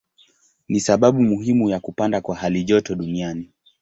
Ni sababu muhimu ya kupanda kwa halijoto duniani.